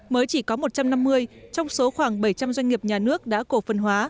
mới chỉ có một trăm năm mươi trong số khoảng bảy trăm linh doanh nghiệp nhà nước đã cổ phần hóa